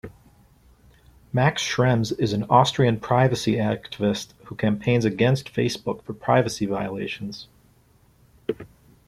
Max Schrems is an Austrian privacy activist who campaigns against Facebook for privacy violations.